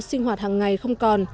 sinh hoạt hàng ngày không còn